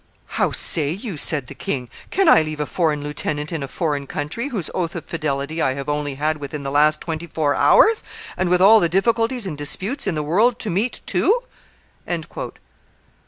"How say you!" said the king: "can I leave a foreign lieutenant in a foreign country whose oath of fidelity I have only had within the last four and twenty hours, and with all the difficulties and disputes in the world to meet too?"